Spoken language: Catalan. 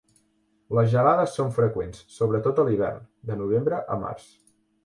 Les gelades són freqüents, sobretot a l'hivern, de novembre a març.